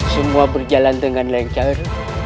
semua berjalan dengan lancar